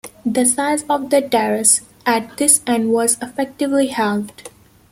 The size of the terrace at this end was effectively halved.